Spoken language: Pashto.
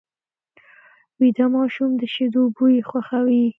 ویده ماشوم د شیدو بوی خوښوي